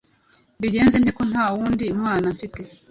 mbigenze nte, ko nta wundi mwana mfite;